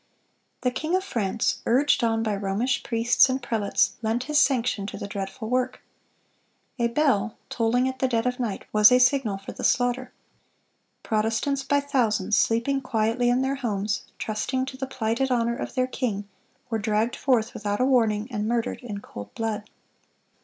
The king of France, urged on by Romish priests and prelates, lent his sanction to the dreadful work. A bell, tolling at dead of night, was a signal for the slaughter. Protestants by thousands, sleeping quietly in their homes, trusting to the plighted honor of their king, were dragged forth without a warning, and murdered in cold blood.